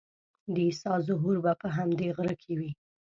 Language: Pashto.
د عیسی ظهور به په همدې غره کې وي.